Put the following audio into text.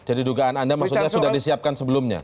jadi dugaan anda maksudnya sudah disiapkan sebelumnya